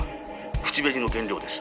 「口紅の原料です」